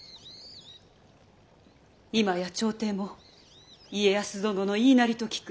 今や朝廷も家康殿の言いなりと聞く。